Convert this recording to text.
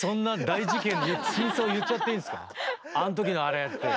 「あん時のあれ」って。